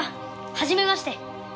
はじめまして！